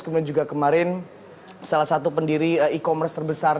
kemudian juga kemarin salah satu pendiri e commerce terbesar